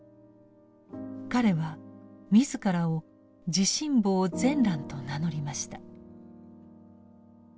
彼は自らを「慈信房善鸞」と名乗りました。